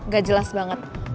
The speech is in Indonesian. gak jelas banget